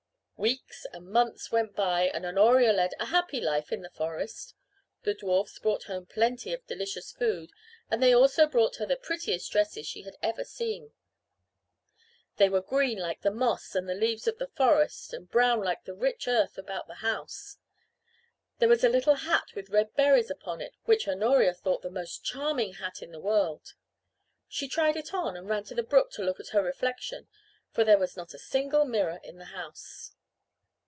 Weeks and months went by and Honoria led a happy life in the forest. The dwarfs brought home plenty of delicious food and they also brought her the prettiest dresses she had ever seen. They were green like the moss and the leaves of the forest and brown like the rich earth about the house. There was a little hat with red berries upon it which Honoria thought the most charming hat in the world. She tried it on and ran to the brook to look at her reflection, for there was not a single mirror in the house.